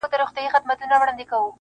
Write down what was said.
• ته به هم بچو ته کیسې وکړې د ځوانۍ -